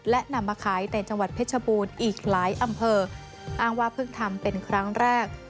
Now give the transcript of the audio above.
และนำมาขายในจังหวัดเพชรบูรณ์อีกหลายอำเภออ้างว่าเพิ่งทำเป็นครั้งแรก